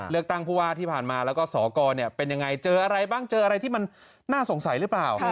ผู้ว่าที่ผ่านมาแล้วก็สกเป็นยังไงเจออะไรบ้างเจออะไรที่มันน่าสงสัยหรือเปล่า